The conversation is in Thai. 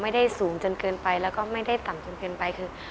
ไม่ได้สูงจนเกินไปแล้วก็ไม่ได้ต่ำจนเกินไปคือ